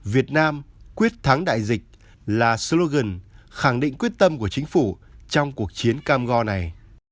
việt nam quyết thắng đại dịch là slogan khẳng định quyết tâm của chính phủ trong cuộc chiến cam go này